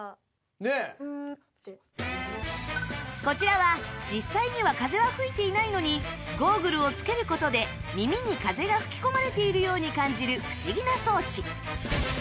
こちらは実際には風は吹いていないのにゴーグルを着ける事で耳に風が吹き込まれているように感じる不思議な装置